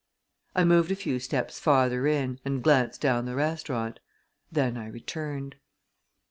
I moved a few steps farther in and glanced down the restaurant. Then I returned.